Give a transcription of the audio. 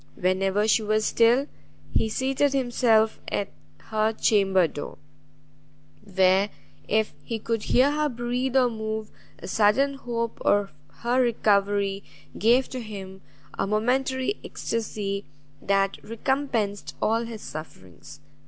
Whenever she was still, he seated himself at her chamber door, where, if he could hear her breathe or move, a sudden hope of her recovery gave to him a momentary extasy that recompensed all his sufferings.